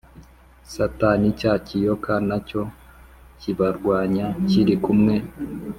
Satani cya kiyoka na cyo kibarwanya kiri kumwe